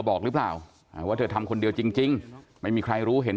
บอกหรือเปล่าว่าเธอทำคนเดียวจริงไม่มีใครรู้เห็น